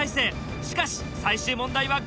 しかし最終問題は５０点！